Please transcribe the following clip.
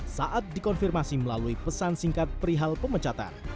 saat dikonfirmasi melalui pesan singkat perihal pemecatan